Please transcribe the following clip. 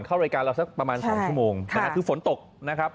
เข้ารายการเราสักประมาณ๒ชั่วโมงนะฮะคือฝนตกนะครับ